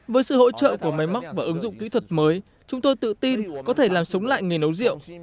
với sự hỗ trợ của máy móc và ứng dụng kỹ thuật mới chúng tôi tự tin có thể làm sống lại nghề nấu rượu